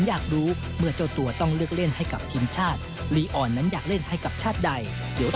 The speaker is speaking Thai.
อยากเล่นให้ทีมชาติไทย